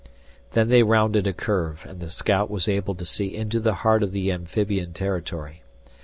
Then they rounded a curve, and the scout was able to see into the heart of the amphibian territory.